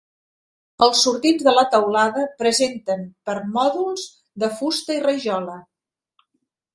Els sortints de la teulada presenten permòdols de fusta i rajola.